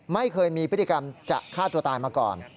ไม่เคยมีพฤติกรรมจะฆ่าตัวตายมาก่อน